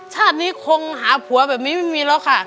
ชาตินี้คงหาผัวแบบนี้ไม่มีแล้วค่ะ